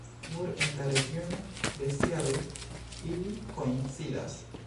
Nur en la regiono de Seattle ili koincidas.